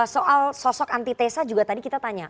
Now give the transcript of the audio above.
soal sosok anti tesa juga tadi kita tanya